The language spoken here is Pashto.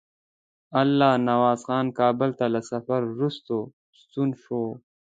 الله نواز خان کابل ته له سفر وروسته ستون شو.